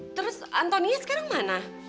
terus antoni sekarang mana